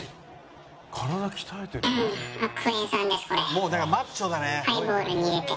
「もうだからマッチョだね」